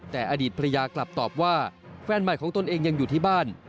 แต่อดีตภรรยากลับตอบว่าแฟนใหม่ของตนเองยังอยู่ที่บ้าน